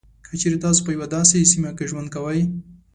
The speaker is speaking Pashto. که چېري تاسو په یوه داسې سیمه کې ژوند کوئ.